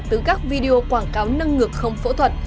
từ các video quảng cáo nâng ngực không phẫu thuật